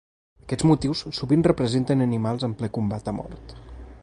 Aquests motius sovint representaven animals en ple combat a mort.